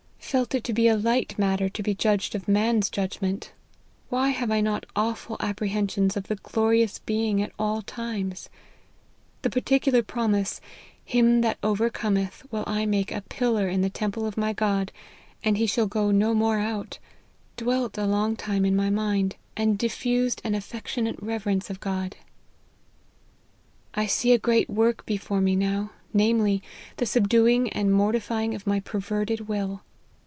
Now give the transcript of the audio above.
Felt it to be a light matter to be judged of man's judgment ; why have I not awful apprehensions of the glorious Being at all times ? The particular promise ' him that overcometh will I make a pillar in the temple of my God, and he shall go no more out,' dwelt a long time in my mind, and diffused an affectionate LIFE OF HENRY MARTYN. 29 reverence of God." " I see a great work before me now, namely, the subduing and mortifying of my perverted will.